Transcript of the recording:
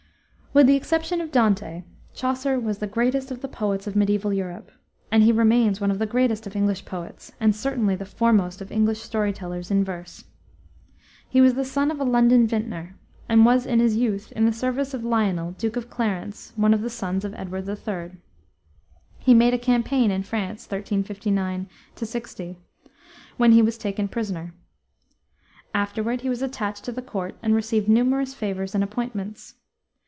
With the exception of Dante, Chaucer was the greatest of the poets of mediaeval Europe, and he remains one of the greatest of English poets, and certainly the foremost of English story tellers in verse. He was the son of a London vintner, and was in his youth in the service of Lionel, Duke of Clarence, one of the sons of Edward III. He made a campaign in France in 1359 60, when he was taken prisoner. Afterward he was attached to the court and received numerous favors and appointments.